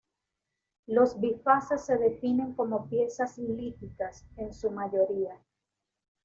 Los bifaces se definen como piezas líticas, en su mayoría.